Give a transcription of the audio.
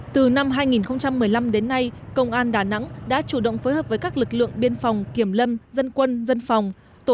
từ năm hai nghìn một mươi năm đến nay công an đà nẵng đã chủ động phối hợp với các lực lượng biên phòng kiểm lâm dân quân dân phòng